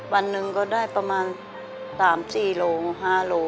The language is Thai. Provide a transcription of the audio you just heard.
วันหนึ่งก็ได้ประมาณ๓๔โล๕โล